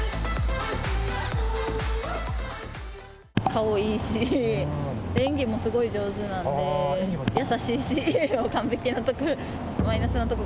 顔いいし、演技もすごい上手なんで、優しいし、完璧な所。